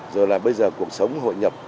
rồi là bây giờ cuộc sống hội nhập